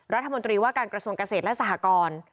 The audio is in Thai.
รัฐมนตรีว่าการกระทรวงเกษตรและสหกร